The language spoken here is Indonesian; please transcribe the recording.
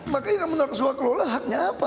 makanya kamu tidak kesuakulah haknya apa